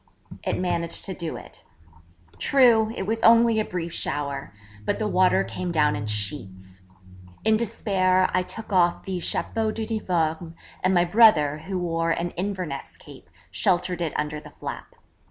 It managed to do it. True, it was only a brief shower: but the water came down in sheets. In despair I took off the chapeau d'uniforme, and my brother, who wore an Inverness cape, sheltered it under the flap.